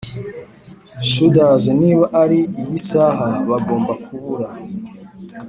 shudders niba ari iyi saha bagomba kubura.